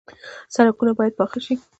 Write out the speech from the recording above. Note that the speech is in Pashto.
سړکونه باید پاخه شي